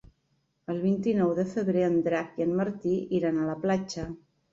El vint-i-nou de febrer en Drac i en Martí iran a la platja.